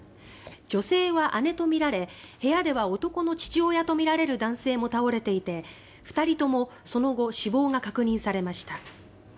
女性は姉とみられ、部屋では男の父親とみられる男性も倒れていて、２人ともその後、死亡が確認されました。